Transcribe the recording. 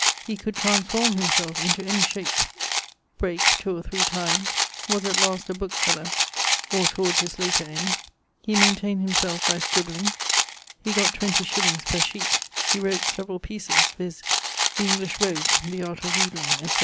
He could transforme himselfe into shape. Brake 2 or 3 times. Was at last a bookeseller, or towards his later end. He maintained himselfe by scribling. He 20_s._ per sheet. He wrote severall pieces, viz. _The English Rogue_[EV], The Art of Wheadling, etc.